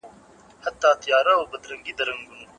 پوهه د فقر تورې تیارې له منځه وړي.